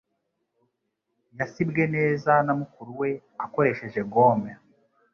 Yasibwe neza na mukuru we akoresheje gome